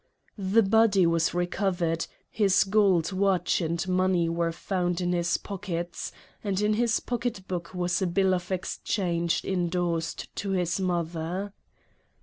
The body was reco vered ; his gold watch and money were found in his pockets ; and in his pocket book was a bill of exchange indorsed to his mother.